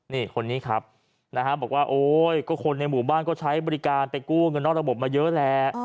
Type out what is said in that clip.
นี่คนนี้ครับนะฮะบอกว่าโอ๊ยก็คนในหมู่บ้านก็ใช้บริการไปกู้เงินนอกระบบมาเยอะแหละ